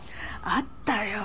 会ったよ！